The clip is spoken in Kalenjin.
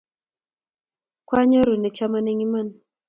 Kwaanyoru ne chomon eng' iman